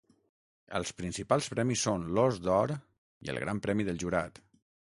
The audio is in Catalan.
Els principals premis són l'Ós d'Or i el Gran Premi del Jurat.